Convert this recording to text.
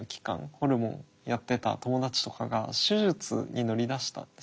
ホルモンやってた友達とかが手術に乗り出したんですよ。